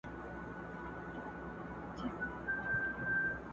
o وزير که منډ که، خپله کونه به بربنډ که!